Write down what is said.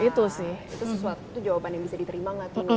itu sesuatu jawaban yang bisa diterima gak kira kira